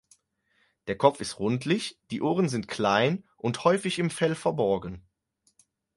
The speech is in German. Der Kopf ist rundlich, die Ohren sind klein und häufig im Fell verborgen.